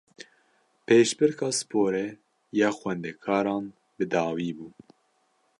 Pêşbirka sporê ya xwendekaran bi dawî bû